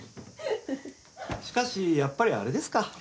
しかしやっぱりあれですか？